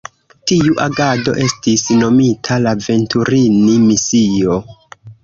Tiu agado estis nomita la Venturini-misio.